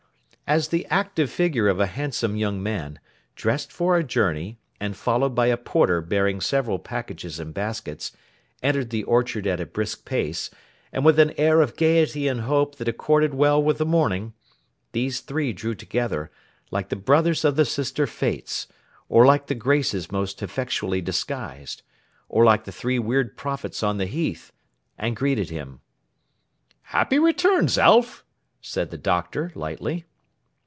As the active figure of a handsome young man, dressed for a journey, and followed by a porter bearing several packages and baskets, entered the orchard at a brisk pace, and with an air of gaiety and hope that accorded well with the morning, these three drew together, like the brothers of the sister Fates, or like the Graces most effectually disguised, or like the three weird prophets on the heath, and greeted him. 'Happy returns, Alf!' said the Doctor, lightly.